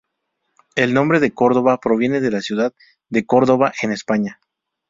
El nombre de Córdova proviene de la ciudad de Córdoba en España.